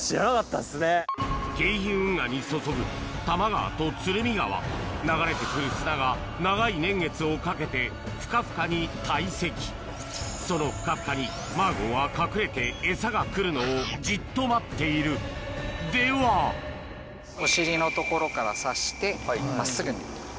京浜運河に注ぐ多摩川と鶴見川流れてくる砂が長い年月をかけてふかふかに堆積そのふかふかにマーゴンは隠れてエサが来るのをじっと待っているではお尻の所から刺して真っすぐにこう抜いてあげる。